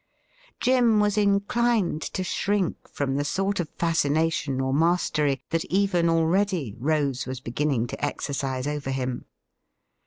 Jim was inclined to shrink from the sort of fascination or mastery that even already Rose was beginning to exercise over him.